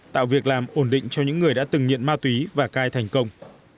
tạo việc làm ổn định cho những người đã từng nghiện ma túy và cai thành công